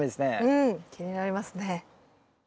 うん気になりますね。